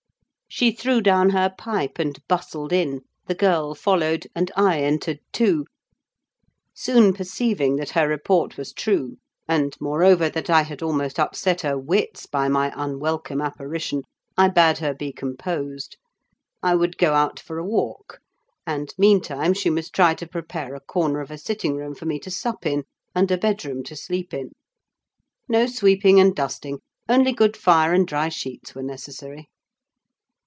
She threw down her pipe and bustled in, the girl followed, and I entered too; soon perceiving that her report was true, and, moreover, that I had almost upset her wits by my unwelcome apparition, I bade her be composed. I would go out for a walk; and, meantime she must try to prepare a corner of a sitting room for me to sup in, and a bedroom to sleep in. No sweeping and dusting, only good fire and dry sheets were necessary.